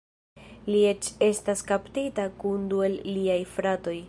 Li eĉ estas kaptita kun du el liaj fratoj.